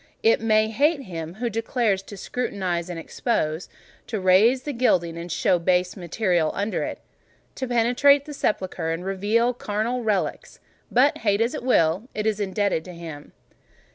It may hate him who dares to scrutinise and expose—to rase the gilding, and show base metal under it—to penetrate the sepulchre, and reveal charnel relics: but hate as it will, it is indebted to him.